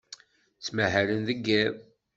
Ttmahalen deg yiḍ.